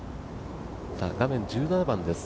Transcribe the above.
画面は１７番です。